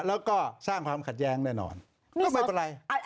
แล้วก็สร้างความขัดแย้งแน่นอนก็ไม่เป็นไร